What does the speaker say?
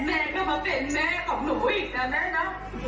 แม่ก็มาเป็นแม่ของหนูอีกนะแม่เนอะ